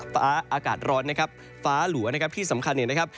อากาศร้อนนะครับฟ้าหลัวนะครับที่สำคัญเนี่ยนะครับ